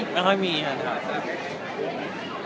ไม่ค่อยมีค่ะ